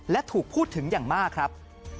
และถูกพูดถึงอย่างมากครับ